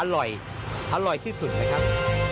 อร่อยอร่อยที่สุดนะครับ